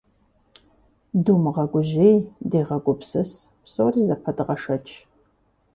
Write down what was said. Думыгъэгужьей, дегъэгупсыс, псори зэпэдгъэшэч.